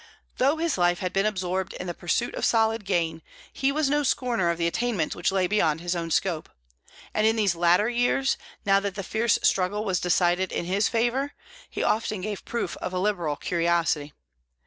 Though his life had been absorbed in the pursuit of solid gain, he was no scorner of the attainments which lay beyond his own scope, and in these latter years, now that the fierce struggle was decided in his favour, he often gave proof of a liberal curiosity.